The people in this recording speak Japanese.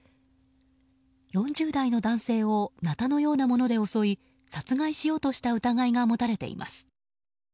４０代の男性をナタのようなもので襲い殺害しようとした疑いが持たれています。